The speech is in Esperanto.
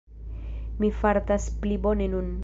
Mi fartas pli bone nun.